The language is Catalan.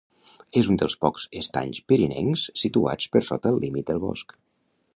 És un dels pocs estanys pirinencs situats per sota el límit del bosc.